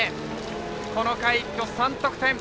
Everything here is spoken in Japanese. この回、一挙３得点。